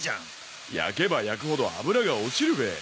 焼けば焼くほど脂が落ちるべ。